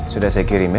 sudah saya kirim ya